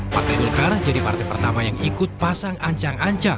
partai golkar jadi partai pertama yang ikut pasang ancang ancang